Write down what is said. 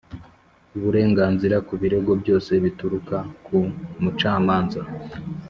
Uburenganzira ku birego byose bituruka ku mucamanza